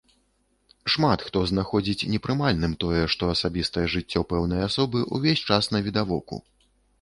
Шмат хто знаходзіць непрымальным тое, што асабістае жыццё пэўнай асобы ўвесь час навідавоку.